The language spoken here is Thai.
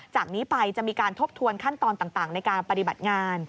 จากนี้ไปจะมีการทบทวนขั้นตอนต่างในการปฏิบัติงาน